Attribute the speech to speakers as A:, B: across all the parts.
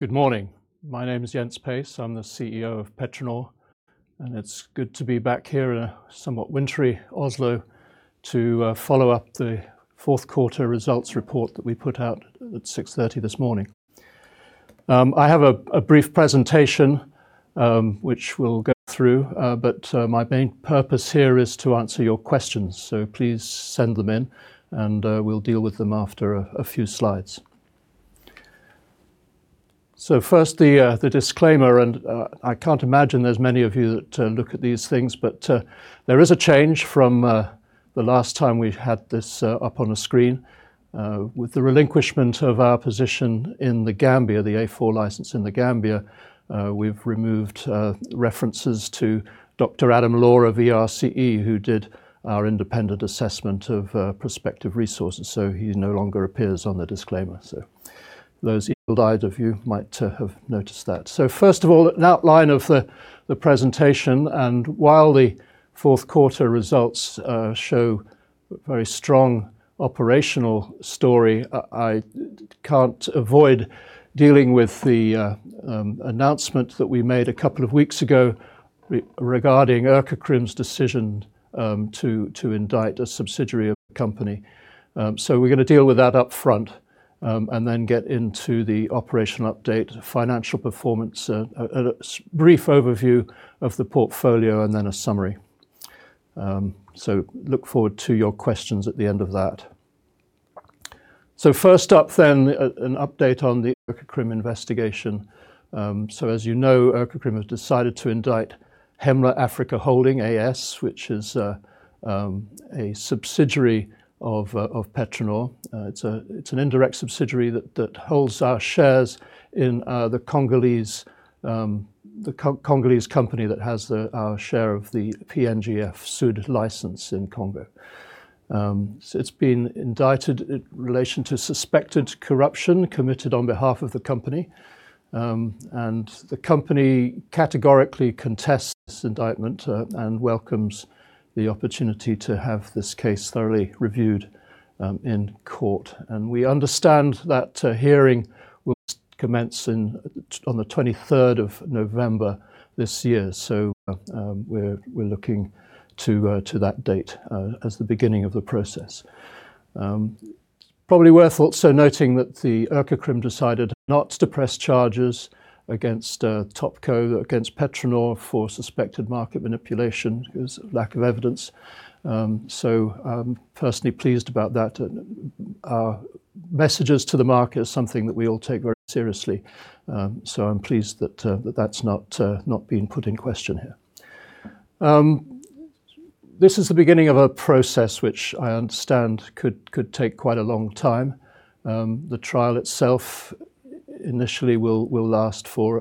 A: Good morning. My name is Jens Pace. I'm the Chief Executive Officer of PetroNor, and it's good to be back here in a somewhat wintry Oslo to follow up the fourth quarter results report that we put out at 6:30 this morning. I have a brief presentation, which we'll go through, but my main purpose here is to answer your questions. Please send them in, and we'll deal with them after a few slides. First, the disclaimer. I can't imagine there's many of you that look at these things, but there is a change from the last time we've had this up on a screen. With the relinquishment of our position in The Gambia, the A4 license in The Gambia, we've removed references to Dr. Adam Law of ERCE, who did our independent assessment of prospective resources, so he no longer appears on the disclaimer. So those eagle-eyed of you might have noticed that. So first of all, an outline of the presentation, and while the fourth quarter results show very strong operational story, I can't avoid dealing with the announcement that we made a couple of weeks ago regarding Økokrim's decision to indict a subsidiary of the company. So we're gonna deal with that up front, and then get into the operational update, financial performance, a brief overview of the portfolio, and then a summary. So look forward to your questions at the end of that. So first up then, an update on the Økokrim investigation. So as you know, Økokrim has decided to indict Hemla Africa Holding AS, which is a subsidiary of PetroNor E&P. It's an indirect subsidiary that holds our shares in the Congolese company that has our share of the PNGF Sud license in Congo. So it's been indicted in relation to suspected corruption committed on behalf of the company. And the company categorically contests this indictment and welcomes the opportunity to have this case thoroughly reviewed in court. We understand that a hearing will commence on the twenty-third of November this year. So we're looking to that date as the beginning of the process. Probably worth also noting that the Økokrim decided not to press charges against Topco, against PetroNor E&P for suspected market manipulation, it was lack of evidence. So I'm personally pleased about that, and our messages to the market is something that we all take very seriously. So I'm pleased that that that's not not been put in question here. This is the beginning of a process which I understand could take quite a long time. The trial itself initially will last for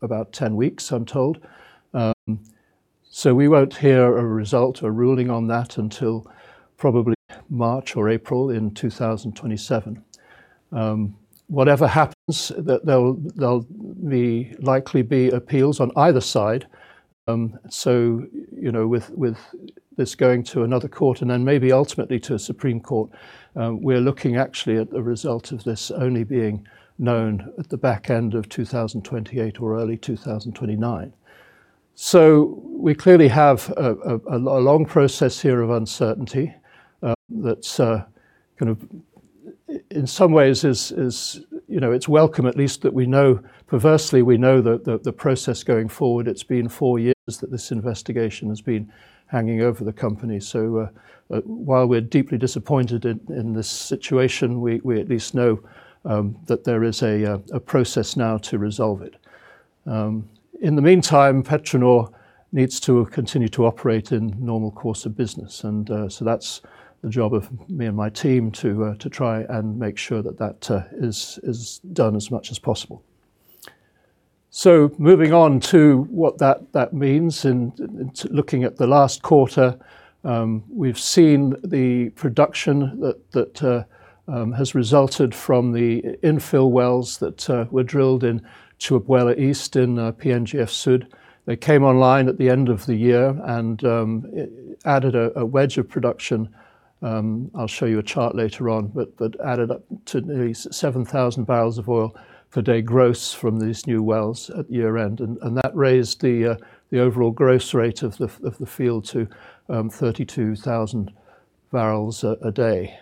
A: about 10 weeks, I'm told. So we won't hear a result, a ruling on that until probably March or April in 2027. Whatever happens, there'll likely be appeals on either side. So, you know, with this going to another court and then maybe ultimately to a Supreme Court, we're looking actually at the result of this only being known at the back end of 2028 or early 2029. So we clearly have a long process here of uncertainty that's kind of in some ways is, you know, it's welcome at least that we know.. Perversely, we know that the process going forward, it's been four years that this investigation has been hanging over the company. So, while we're deeply disappointed in this situation, we at least know that there is a process now to resolve it. In the meantime, PetroNor needs to continue to operate in normal course of business, and that's the job of me and my team to try and make sure that that is done as much as possible. Moving on to what that means, and looking at the last quarter, we've seen the production that has resulted from the infill wells that were drilled in Tchibouela East in PNGF Sud. They came online at the end of the year and added a wedge of production.. I'll show you a chart later on, but that added up to nearly 7,000 bbl of oil per day gross from these new wells at year-end, and that raised the overall gross rate of the field to 32,000 bbl a day.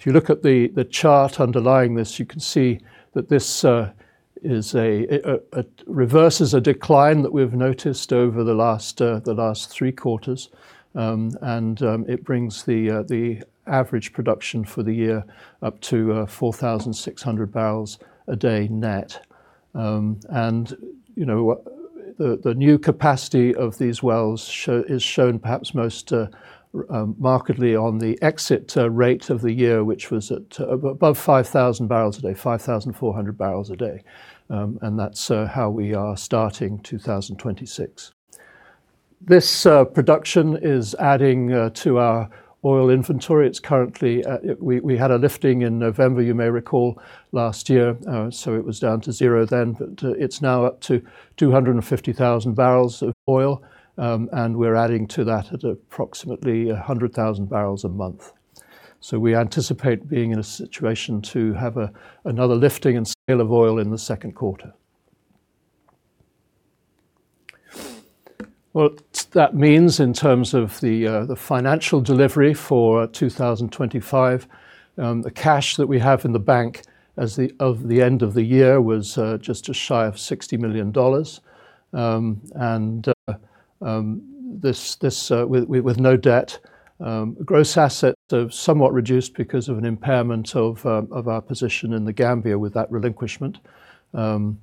A: If you look at the chart underlying this, you can see that this is a reversal of a decline that we've noticed over the last three quarters. And it brings the average production for the year up to 4,600 bbl a day net. And, you know, the new capacity of these wells, is shown perhaps most markedly on the exit rate of the year, which was at above 5,000 bbl a day, 5,400 bbl a day. And that's how we are starting 2026. This production is adding to our oil inventory. It's currently... We had a lifting in November, you may recall, last year, so it was down to zero then, but it's now up to 250,000 bbl of oil, and we're adding to that at approximately 100,000 bbl a month. So we anticipate being in a situation to have another lifting and sale of oil in the second quarter. Well, that means in terms of the financial delivery for 2025, the cash that we have in the bank as of the end of the year was just shy of $60 million. And this with no debt, gross assets have somewhat reduced because of an impairment of our position in The Gambia with that relinquishment. And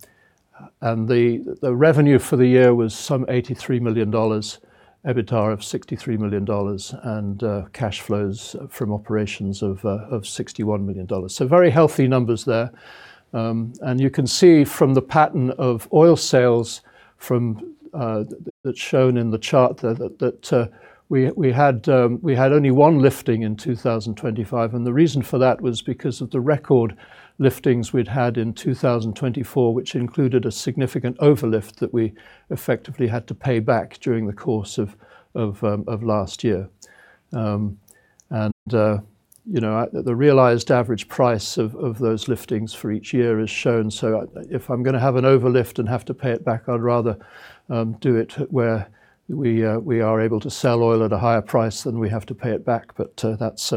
A: the revenue for the year was some $83 million, EBITDA of $63 million, and cash flows from operations of $61 million. So very healthy numbers there. You can see from the pattern of oil sales that's shown in the chart there, that we had only one lifting in 2025, and the reason for that was because of the record liftings we'd had in 2024, which included a significant overlift that we effectively had to pay back during the course of last year. And you know, the realized average price of those liftings for each year is shown. So if I'm going to have an overlift and have to pay it back, I'd rather do it where we are able to sell oil at a higher price than we have to pay it back. But that's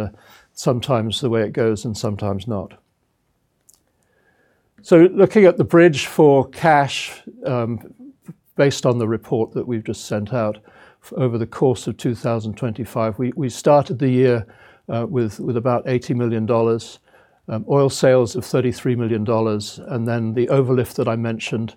A: sometimes the way it goes and sometimes not. So looking at the bridge for cash, based on the report that we've just sent out, over the course of 2025, we started the year with about $80 million, oil sales of $33 million, and then the overlift that I mentioned,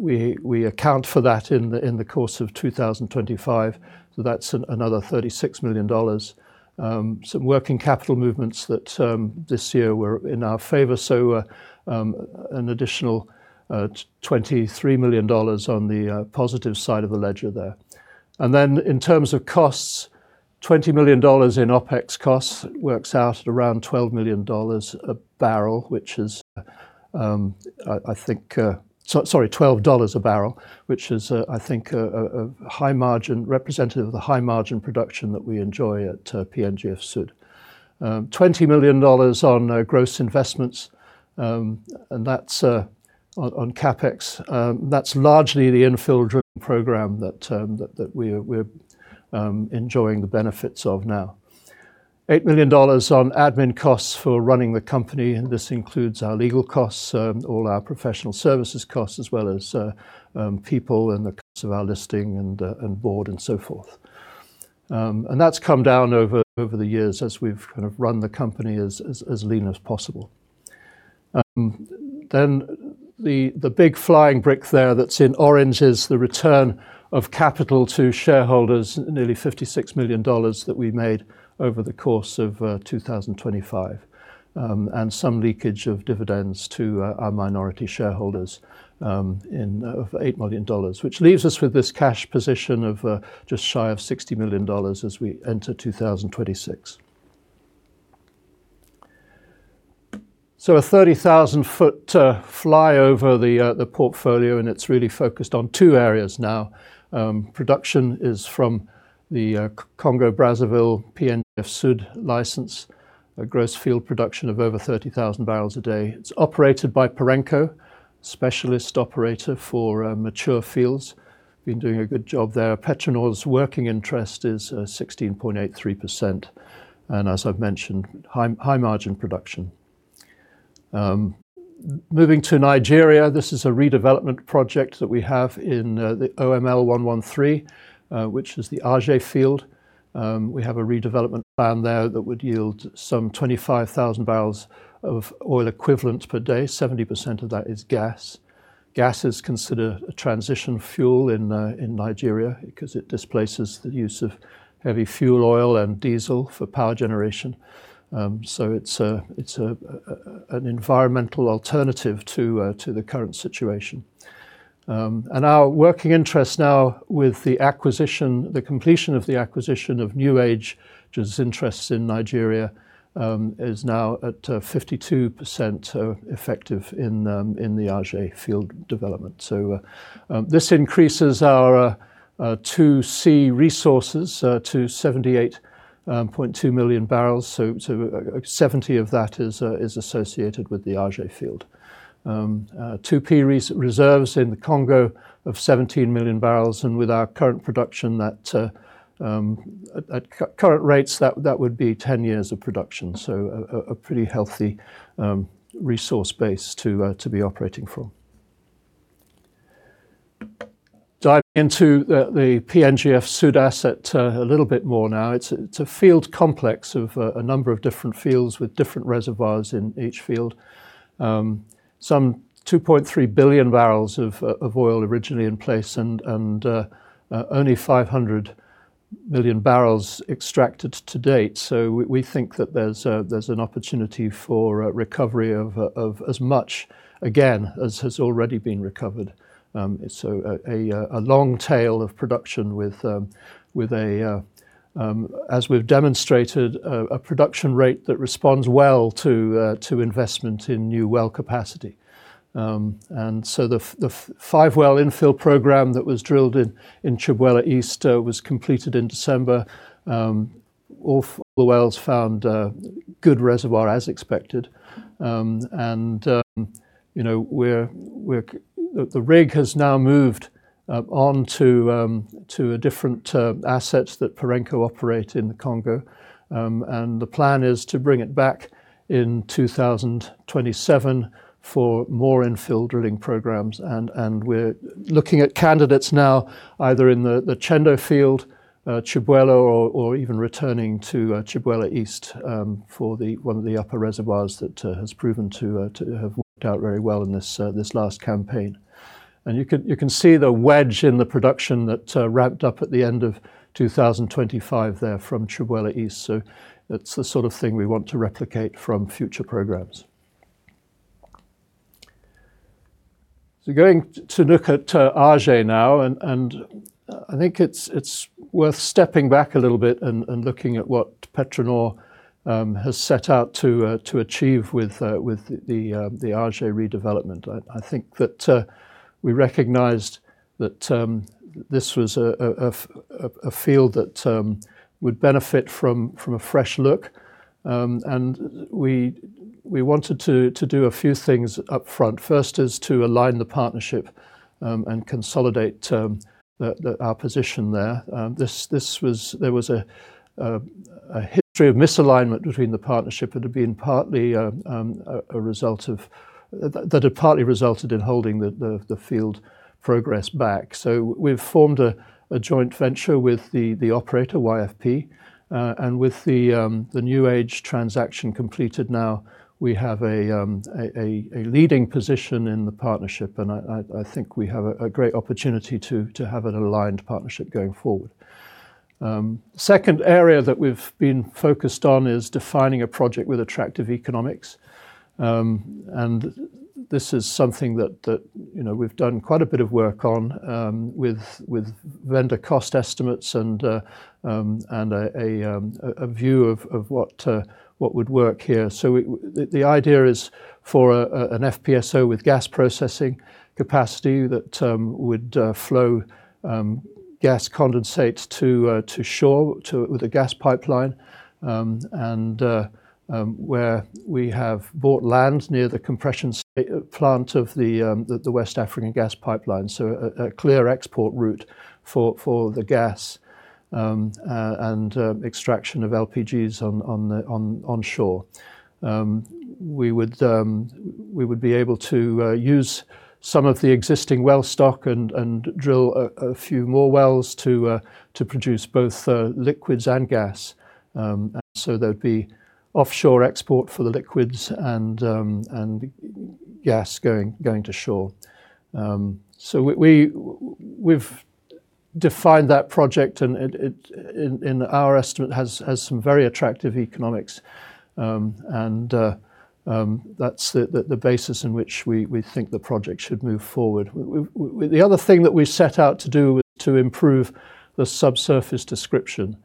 A: we account for that in the course of 2025. So that's another $36 million. Some working capital movements that this year were in our favor, so an additional $23 million on the positive side of the ledger there. And then in terms of costs, $20 million in OpEx costs, works out at around $12 million a bbl, which is, I think. So, sorry, $12 a bbl, which is, I think, a high margin, representative of the high margin production that we enjoy at PNGF Sud. $20 million on gross investments, and that's on CapEx. That's largely the infill drilling program that we're enjoying the benefits of now. $8 million on admin costs for running the company, and this includes our legal costs, all our professional services costs, as well as people and the costs of our listing and board, and so forth. And that's come down over the years as we've kind of run the company as lean as possible. Then the big flying brick there that's in orange is the return of capital to shareholders, nearly $56 million that we made over the course of 2025, and some leakage of dividends to our minority shareholders in $8 million. Which leaves us with this cash position of just shy of $60 million as we enter 2026. So a 30,000-foot flyover the portfolio, and it's really focused on two areas now. Production is from the Congo-Brazzaville, PNGF Sud license, a gross field production of over 30,000 bbl a day. It's operated by Perenco, specialist operator for mature fields. Been doing a good job there. PetroNor's working interest is 16.83%, and as I've mentioned, high, high margin production. Moving to Nigeria, this is a redevelopment project that we have in the OML 113, which is the Aje Field. We have a redevelopment plan there that would yield some 25,000 bbl of oil equivalent per day. 70% of that is gas. Gas is considered a transition fuel in Nigeria because it displaces the use of heavy fuel oil and diesel for power generation. So it's an environmental alternative to the current situation. And our working interest now with the acquisition, the completion of the acquisition of New Age, which is interests in Nigeria, is now at 52% effective in the Aje Field development. So this increases our 2C resources to 78.2 million bbl. So seventy of that is associated with the Aje field. 2P reserves in the Congo of 17 million bbl, and with our current production, that at current rates, that would be 10 years of production. So a pretty healthy resource base to be operating from. Diving into the PNGF Sud asset a little bit more now. It's a field complex of a number of different fields with different reservoirs in each field. Some 2.3 billion bbl of oil originally in place and only 500 million bbl extracted to date. So we think that there's an opportunity for recovery of as much, again, as has already been recovered. So a long tail of production with, as we've demonstrated, a production rate that responds well to investment in new well capacity. And so the 5-well infill program that was drilled in Tchibouela East was completed in December. All the wells found good reservoir as expected. And you know, we're the rig has now moved on to a different assets that Perenco operate in the Congo. The plan is to bring it back in 2027 for more infill drilling programs, and we're looking at candidates now, either in the Tchendo field, Tchibouela, or even returning to Tchibouela East for one of the upper reservoirs that has proven to have worked out very well in this last campaign. You can see the wedge in the production that ramped up at the end of 2025 there from Tchibouela East, so that's the sort of thing we want to replicate from future programs. Going to look at Aje now, and I think it's worth stepping back a little bit and looking at what PetroNor has set out to achieve with the Aje redevelopment. I think that we recognized that this was a field that would benefit from a fresh look. And we wanted to do a few things up front. First is to align the partnership and consolidate our position there. This was. There was a history of misalignment between the partnership that had been partly a result of that had partly resulted in holding the field progress back. So we've formed a joint venture with the operator, YFP, and with the New Age transaction completed now, we have a leading position in the partnership, and I think we have a great opportunity to have an aligned partnership going forward. Second area that we've been focused on is defining a project with attractive economics. And this is something that, you know, we've done quite a bit of work on, with vendor cost estimates and a view of what would work here. So it... The idea is for an FPSO with gas processing capacity that would flow gas condensates to shore with a gas pipeline. And where we have bought land near the compression site plant of the West African Gas Pipeline, so a clear export route for the gas and extraction of LPGs on shore. We would be able to use some of the existing well stock and drill a few more wells to produce both liquids and gas. And so there'd be offshore export for the liquids and gas going to shore. So we've defined that project, and it, in our estimate, has some very attractive economics. And that's the basis in which we think the project should move forward. The other thing that we set out to do was to improve the subsurface description.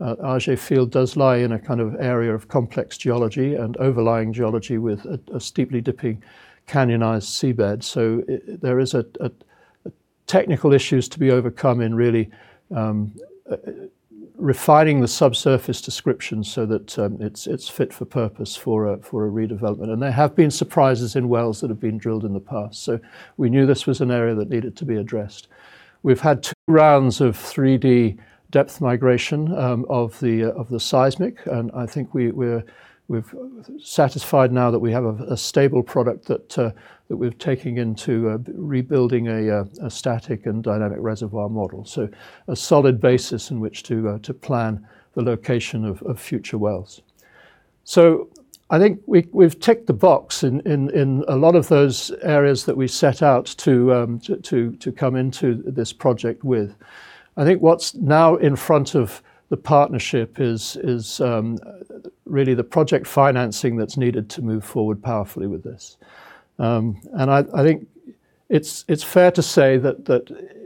A: Aje Field does lie in a kind of area of complex geology and overlying geology with a steeply dipping canyonized seabed. So there is a technical issue to be overcome in really refining the subsurface description so that it's fit for purpose for a redevelopment. And there have been surprises in wells that have been drilled in the past, so we knew this was an area that needed to be addressed. We've had two rounds of 3D depth migration of the seismic, and I think we're satisfied now that we have a stable product that we're taking into rebuilding a static and dynamic reservoir model. So a solid basis in which to plan the location of future wells. So I think we, we've ticked the box in a lot of those areas that we set out to come into this project with. I think what's now in front of the partnership is really the project financing that's needed to move forward powerfully with this. I think it's fair to say that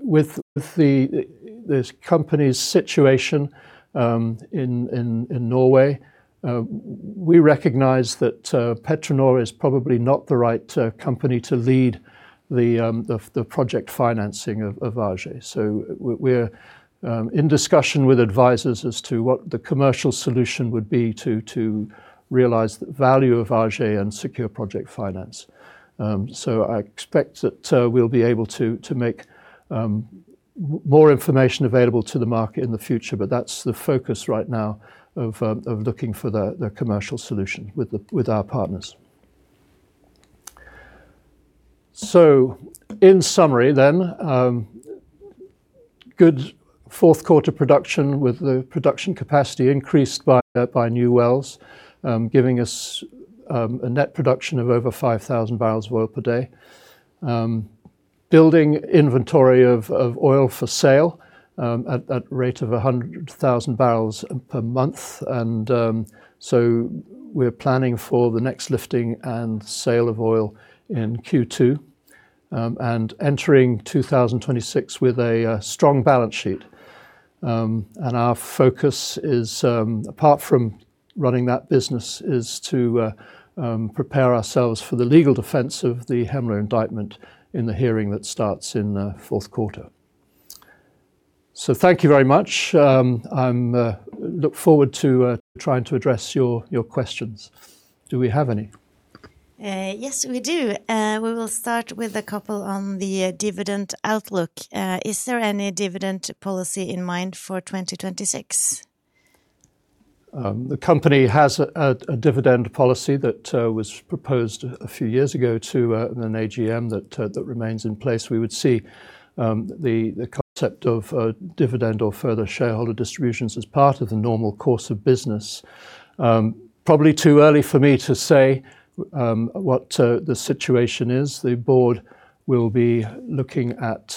A: with this company's situation in Norway, we recognize that PetroNor is probably not the right company to lead the project financing of Aje. So we're in discussion with advisors as to what the commercial solution would be to realize the value of Aje and secure project finance. So I expect that we'll be able to make more information available to the market in the future, but that's the focus right now of looking for the commercial solution with our partners. So in summary then, good fourth quarter production, with the production capacity increased by new wells, giving us a net production of over 5,000 bbl of oil per day. Building inventory of oil for sale at a rate of 100,000 bbl per month, and so we're planning for the next lifting and sale of oil in Q2, and entering 2026 with a strong balance sheet. And our focus is, apart from running that business, to prepare ourselves for the legal defense of the Hemla indictment in the hearing that starts in the fourth quarter. So thank you very much. I'm looking forward to trying to address your questions. Do we have any?
B: Yes, we do. We will start with a couple on the dividend outlook. Is there any dividend policy in mind for 2026?
A: The company has a dividend policy that was proposed a few years ago to an AGM that remains in place. We would see the concept of dividend or further shareholder distributions as part of the normal course of business. Probably too early for me to say what the situation is. The board will be looking at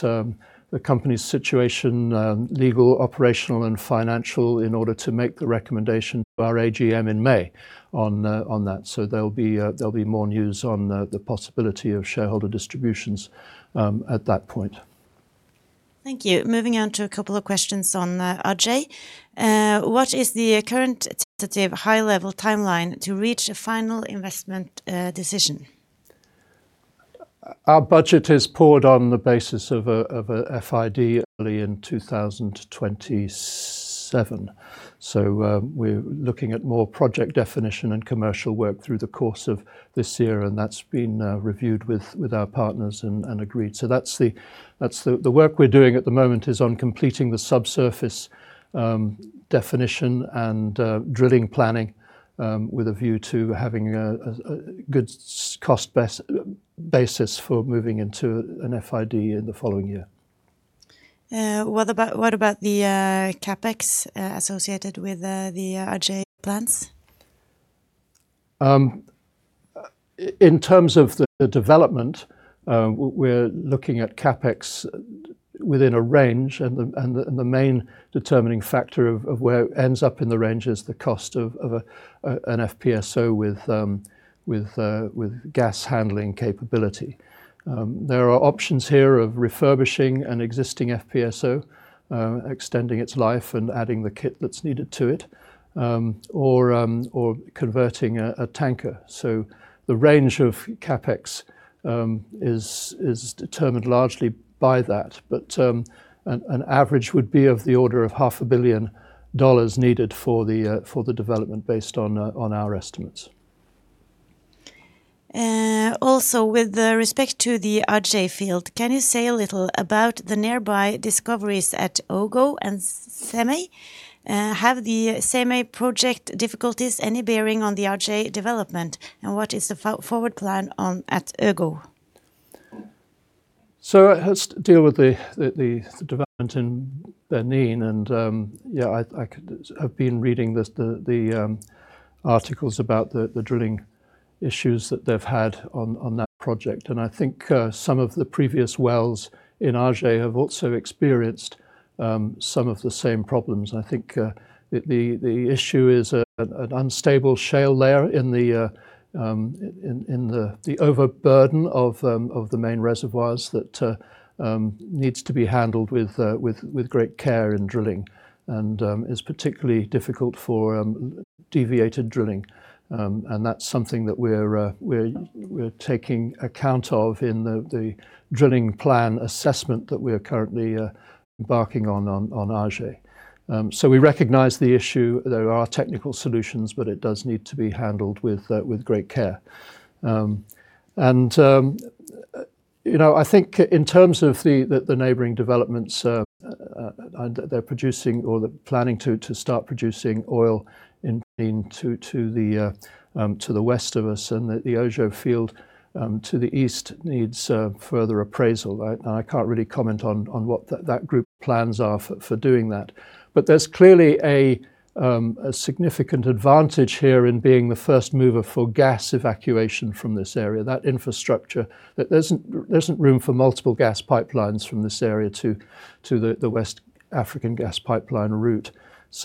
A: the company's situation, legal, operational, and financial, in order to make the recommendation to our AGM in May on that. So there'll be more news on the possibility of shareholder distributions at that point.
B: Thank you. Moving on to a couple of questions on Aje. What is the current tentative high-level timeline to reach a final investment decision?
A: Our budget is based on the basis of a FID early in 2027. So, we're looking at more project definition and commercial work through the course of this year, and that's been reviewed with our partners and agreed. So that's the... The work we're doing at the moment is on completing the subsurface definition and drilling planning, with a view to having a good cost basis for moving into an FID in the following year.
B: What about the CapEx associated with the Aje plans?
A: In terms of the development, we're looking at CapEx within a range, and the main determining factor of where it ends up in the range is the cost of an FPSO with gas handling capability. There are options here of refurbishing an existing FPSO, extending its life and adding the kit that's needed to it, or converting a tanker. So the range of CapEx is determined largely by that. But an average would be of the order of $500 million needed for the development based on our estimates.
B: Also, with respect to the Aje field, can you say a little about the nearby discoveries at Ogo and Sèmè? Have the Sèmè project difficulties any bearing on the Aje development, and what is the forward plan on at Ogo?
A: So let's deal with the development in Benin, and yeah, I could—I've been reading the articles about the drilling issues that they've had on that project. I think some of the previous wells in Aje have also experienced some of the same problems. I think the issue is an unstable shale layer in the overburden of the main reservoirs that needs to be handled with great care in drilling and is particularly difficult for deviated drilling. And that's something that we're taking account of in the drilling plan assessment that we are currently embarking on Aje. So we recognize the issue. There are technical solutions, but it does need to be handled with great care. And you know, I think in terms of the neighboring developments, they're producing or they're planning to start producing oil in Benin to the west of us, and the Ogo field to the east needs further appraisal. I can't really comment on what that group's plans are for doing that. But there's clearly a significant advantage here in being the first mover for gas evacuation from this area. That infrastructure, there's no room for multiple gas pipelines from this area to the West African Gas Pipeline route.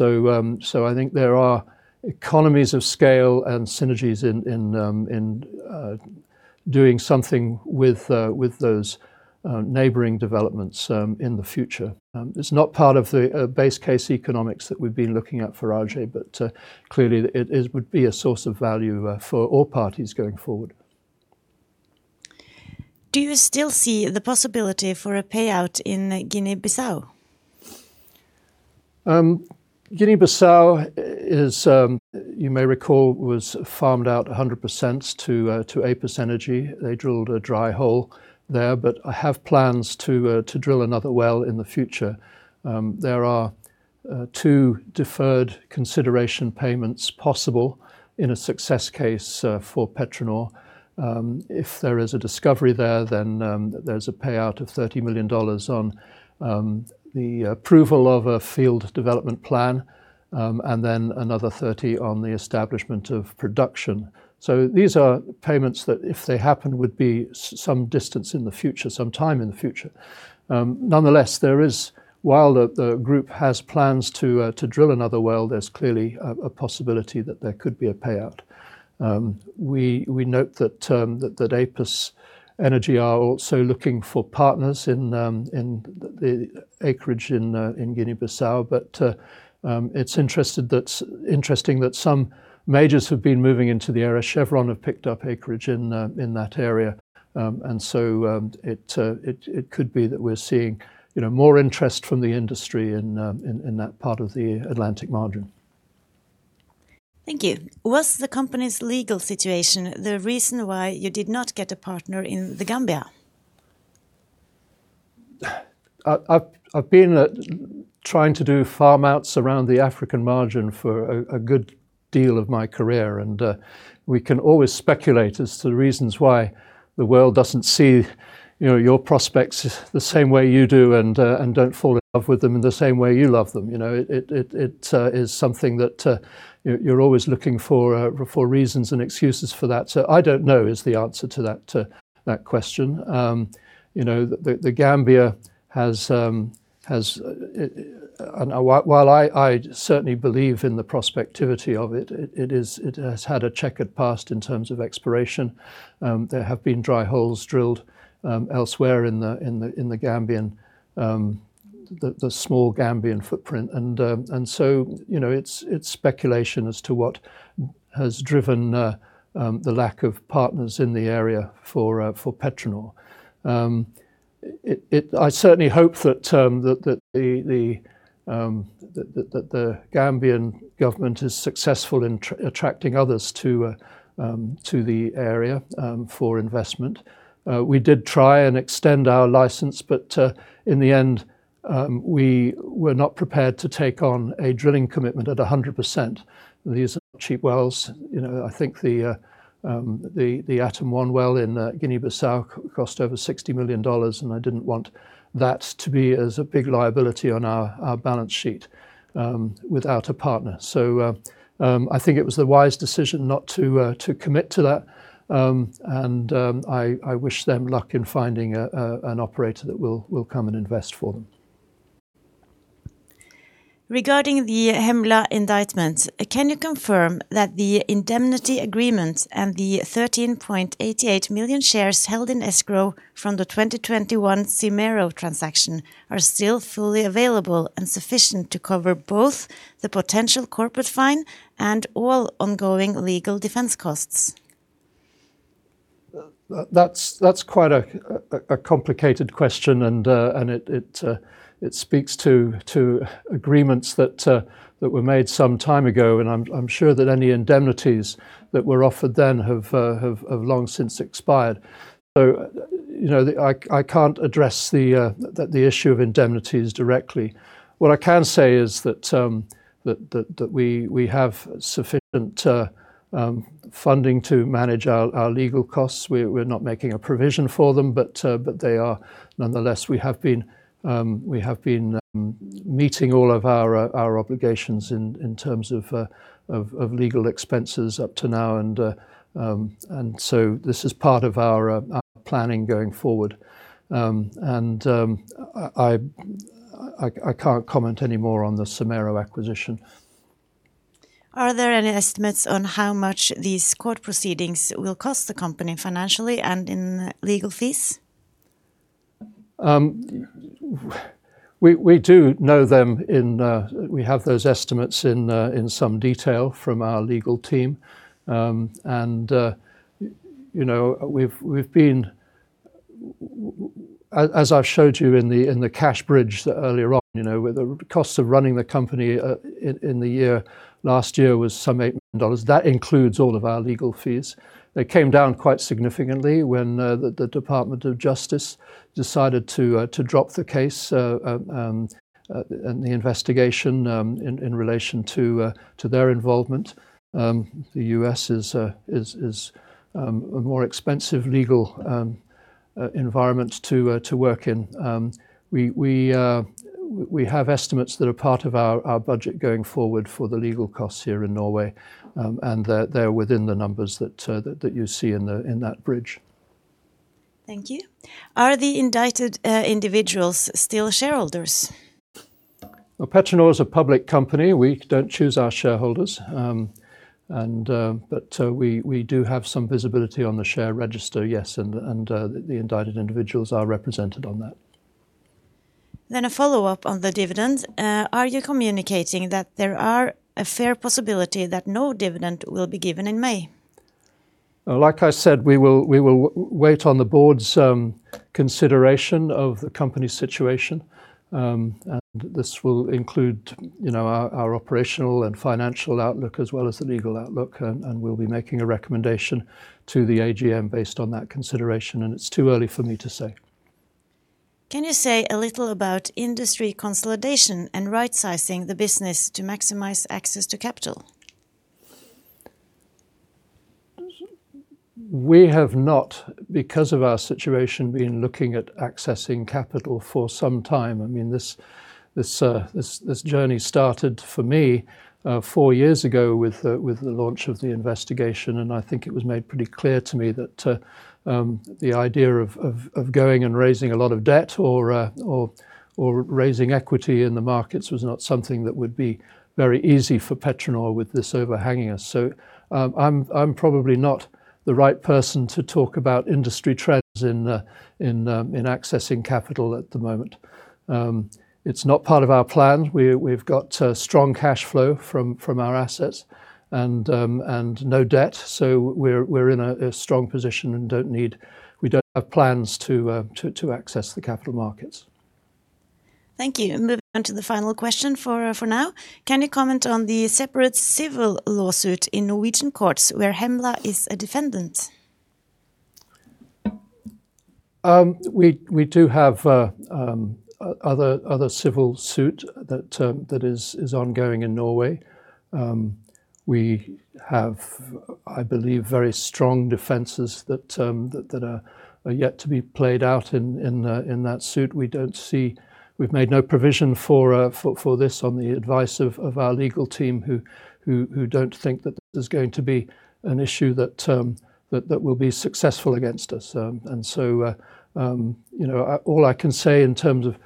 A: I think there are economies of scale and synergies in doing something with those neighboring developments in the future. It's not part of the base case economics that we've been looking at for Aje, but clearly, it would be a source of value for all parties going forward.
B: Do you still see the possibility for a payout in Guinea-Bissau?
A: Guinea-Bissau is, you may recall, was farmed out 100% to Apus Energy. They drilled a dry hole there, but have plans to drill another well in the future. There are two deferred consideration payments possible in a success case for PetroNor. If there is a discovery there, then there's a payout of $30 million on the approval of a field development plan, and then another $30 million on the establishment of production. So these are payments that, if they happen, would be some distance in the future, some time in the future. Nonetheless, there is... While the group has plans to drill another well, there's clearly a possibility that there could be a payout. We note that Apus Energy are also looking for partners in the acreage in Guinea-Bissau. But it's interesting that some majors have been moving into the area. Chevron have picked up acreage in that area. And so it could be that we're seeing, you know, more interest from the industry in that part of the Atlantic margin.
B: Thank you. Was the company's legal situation the reason why you did not get a partner in The Gambia?
A: I've been at, trying to do farm-outs around the African margin for a good deal of my career, and we can always speculate as to the reasons why the world doesn't see, you know, your prospects the same way you do and don't fall in love with them in the same way you love them. You know, it is something that you're always looking for, for reasons and excuses for that. I don't know is the answer to that question. You know, the Gambia has, and while I certainly believe in the prospectivity of it, it has had a checkered past in terms of exploration. There have been dry holes drilled elsewhere in the Gambian, the small Gambian footprint. And, you know, it's speculation as to what has driven the lack of partners in the area for PetroNor. I certainly hope that the Gambian government is successful in attracting others to the area for investment. We did try and extend our licence, but in the end, we were not prepared to take on a drilling commitment at 100%. These are not cheap wells. You know, I think the Atum-1 well in Guinea-Bissau cost over $60 million, and I didn't want that to be as a big liability on our balance sheet without a partner. So, I think it was the wise decision not to commit to that, and I wish them luck in finding an operator that will come and invest for them.
B: Regarding the Hemla indictment, can you confirm that the indemnity agreement and the 13.88 million shares held in escrow from the 2021 Sycamore transaction are still fully available and sufficient to cover both the potential corporate fine and all ongoing legal defense costs?
A: That's quite a complicated question, and it speaks to agreements that were made some time ago. I'm sure that any indemnities that were offered then have long since expired. So, you know, I can't address the issue of indemnities directly. What I can say is that we have sufficient funding to manage our legal costs. We're not making a provision for them, but they are... Nonetheless, we have been meeting all of our obligations in terms of legal expenses up to now, and so this is part of our planning going forward. I can't comment any more on the Sycamore acquisition.
B: Are there any estimates on how much these court proceedings will cost the company financially and in legal fees?
A: We do know them in. We have those estimates in some detail from our legal team. You know, we've been, as I've showed you in the cash bridge earlier on, you know, where the costs of running the company in the year, last year, was some $8 million. That includes all of our legal fees. They came down quite significantly when the Department of Justice decided to drop the case and the investigation in relation to their involvement. The U.S. is a more expensive legal environment to work in. We have estimates that are part of our budget going forward for the legal costs here in Norway, and they're within the numbers that you see in that bridge.
B: Thank you. Are the indicted individuals still shareholders?
A: Well, PetroNor is a public company. We don't choose our shareholders, but we do have some visibility on the share register, yes, and the indicted individuals are represented on that.
B: Then a follow-up on the dividend. Are you communicating that there are a fair possibility that no dividend will be given in May?
A: Like I said, we will wait on the board's consideration of the company's situation. And this will include, you know, our operational and financial outlook, as well as the legal outlook, and we'll be making a recommendation to the AGM based on that consideration, and it's too early for me to say.
B: Can you say a little about industry consolidation and rightsizing the business to maximize access to capital?
A: We have not, because of our situation, been looking at accessing capital for some time. I mean, this journey started for me with the launch of the investigation, and I think it was made pretty clear to me that the idea of going and raising a lot of debt or raising equity in the markets was not something that would be very easy for PetroNor with this overhanging us. So, I'm probably not the right person to talk about industry trends in accessing capital at the moment. It's not part of our plan. We've got strong cash flow from our assets and no debt, so we're in a strong position and don't need... We don't have plans to access the capital markets.
B: Thank you, and moving on to the final question for, for now. Can you comment on the separate civil lawsuit in Norwegian courts where Hemla is a defendant?
A: We do have other civil suit that is ongoing in Norway. We have, I believe, very strong defenses that are yet to be played out in that suit. We don't see... We've made no provision for this on the advice of our legal team, who don't think that this is going to be an issue that will be successful against us. And so, you know, all I can say in terms of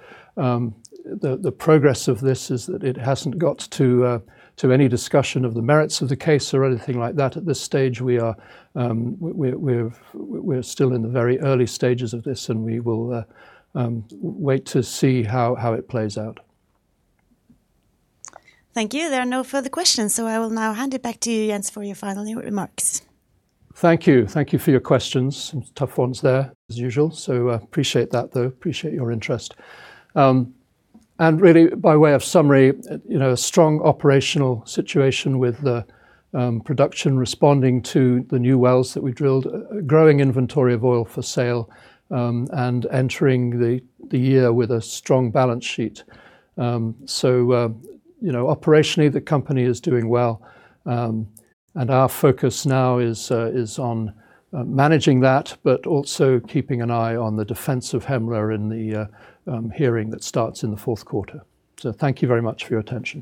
A: the progress of this is that it hasn't got to any discussion of the merits of the case or anything like that. At this stage, we are... We're still in the very early stages of this, and we will wait to see how it plays out.
B: Thank you. There are no further questions, so I will now hand it back to you, Jens, for your final remarks.
A: Thank you. Thank you for your questions. Some tough ones there, as usual, so I appreciate that, though. Appreciate your interest. And really, by way of summary, you know, a strong operational situation with the production responding to the new wells that we drilled, a growing inventory of oil for sale, and entering the year with a strong balance sheet. So, you know, operationally, the company is doing well, and our focus now is on managing that, but also keeping an eye on the defense of Hemla in the hearing that starts in the fourth quarter. So thank you very much for your attention.